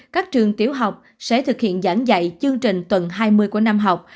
các trường tiểu học sẽ thực hiện giảng dạy chương trình tuần hai mươi của năm học